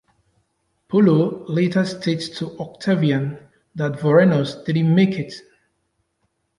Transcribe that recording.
Pullo later states to Octavian that Vorenus didn't make it.